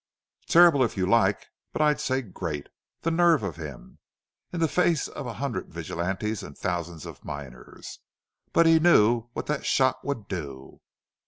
"Terrible, if you like. But I'd say great!... The nerve of him! In the face of a hundred vigilantes and thousands of miners! But he knew what that shot would do!"